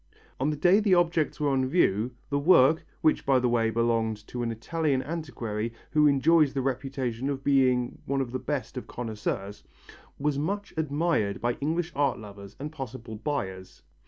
On the day the objects were on view, the work which by the way belonged to an Italian antiquary who enjoys the reputation of being one of the best of connoisseurs was much admired by English art lovers and possible buyers.